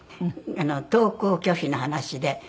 登校拒否の話で。